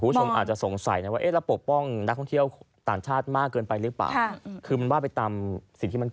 คุณผู้ชมอาจจะสงสัยนะว่าเราปกป้องนักท่องเที่ยวต่างชาติมากไปหรือเปล่า